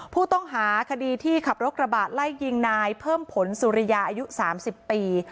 ผู้ต้องหาคดีที่ขับรถกระบะไล่ยิงนายเพิ่มผลสุริยาอายุ๓๐ปี